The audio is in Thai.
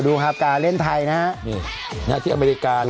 โอ้ยดูครับกาเล่นไทยนะฮะนิดนึงหน้าที่อเมริกานะ